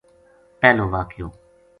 پہلو واقعو